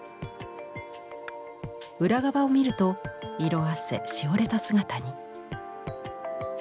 裏側を見ると色あせしおれた姿に。